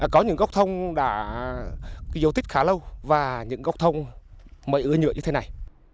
có những gốc thông đã dấu tích khá lâu và những gốc thông mới ứa nhựa như thế này